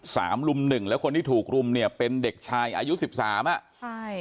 กลุ่มหนึ่งแล้วคนที่ถูกรุมเนี่ยเป็นเด็กชายอายุสิบสามอ่ะใช่